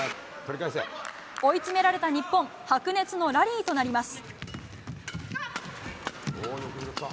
追い詰められた日本白熱のラリーとなります。